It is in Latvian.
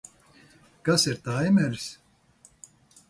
Kas ir taimeris?